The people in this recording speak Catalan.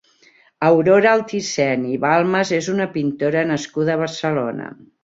Aurora Altisent i Balmas és una pintora nascuda a Barcelona.